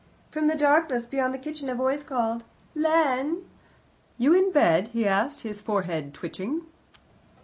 From the darkness beyond the kitchen a voice called, "Len?" "You in bed?" he asked, his forehead twitching.